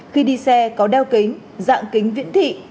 khi đi xe có đeo kính dạng kính viễn thị